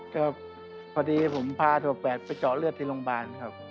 ก็พอดีผมพาถั่วไปเจาะเลือดที่โรงพยาบาลครับ